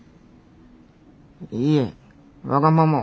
いえわがままを。